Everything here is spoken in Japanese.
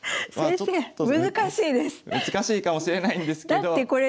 難しいかもしれないんですけど。